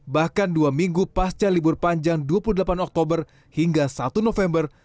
bahkan dua minggu pasca libur panjang dua puluh delapan oktober hingga satu november